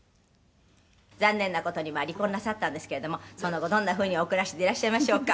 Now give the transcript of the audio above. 「残念な事に離婚なさったんですけれどもその後どんな風にお暮らしでいらっしゃいましょうか？」